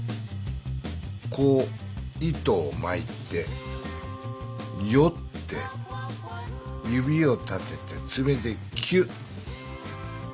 こう糸をまいてよって指を立ててつめでキュッ。